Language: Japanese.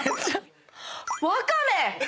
ワカメ！